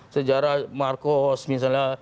sejarah marcos misalnya